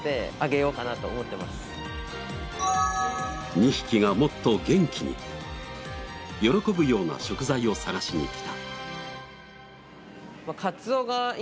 ２匹がもっと元気に喜ぶような食材を探しに来た。